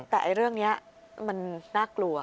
แต่เรื่องนี้มันน่ากลัว